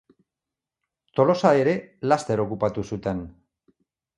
Tolosa ere laster okupatu zuten.